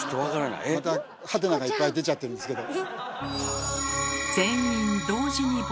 またハテナがいっぱい出ちゃってるんですけど。